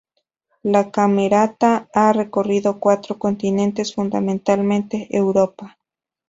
La Camerata ha recorrido cuatro continentes, fundamentalmente Europa.